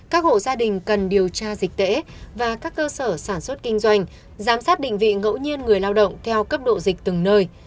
các hộ gia đình cần điều tra dịch tễ và các cơ sở sản xuất kinh doanh giám sát định vị ngẫu nhiên người lao động theo cấp độ dịch từng nơi